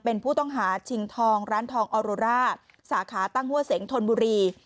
เป็นผู้ต้องหาชิงทองร้านทองออโรร่าสาขาตั้งหัวเสงธนบุรี